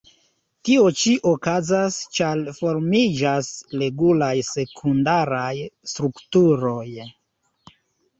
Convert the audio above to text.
Tio ĉi okazas, ĉar formiĝas regulaj sekundaraj strukturoj.